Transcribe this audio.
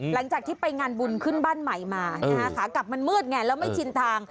หลังจากที่ไปงานบุญขึ้นบ้านใหม่มานะคะขากลับมันมืดไงแล้วไม่ชินทาง